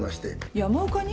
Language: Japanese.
山岡に？